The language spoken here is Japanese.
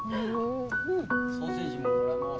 ソーセージももらいまーす。